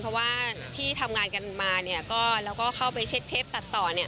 เพราะว่าที่ทำงานกันมาแล้วก็เข้าไปเช็ดเทปตัดต่อ